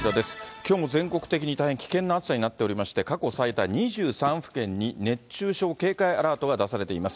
きょうも全国的に大変危険な暑さになっておりまして、過去最多、２３府県に熱中症警戒アラートが出されています。